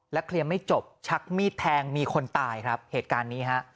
เคลียร์ไม่จบชักมีดแทงมีคนตายครับเหตุการณ์นี้ฮะ